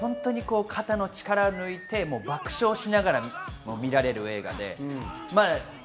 肩の力を抜いて爆笑しながら見られる映画です。